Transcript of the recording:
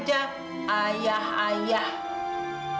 suara apa ini